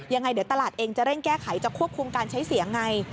ยังไงเดี๋ยวตลาดเองจะเร่งแก้ไขจะควบคุมการใช้เสียงไง